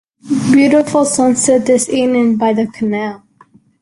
Beautiful sunset this evening by the canal.